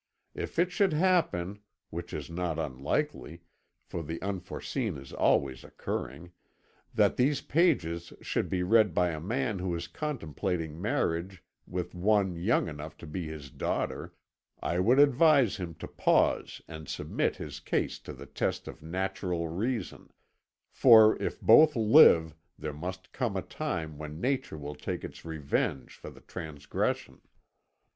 If it should happen (which is not unlikely, for the unforeseen is always occurring) that these pages should be read by a man who is contemplating marriage with one young enough to be his daughter, I would advise him to pause and submit his case to the test of natural reason; for if both live, there must come a time when nature will take its revenge for the transgression.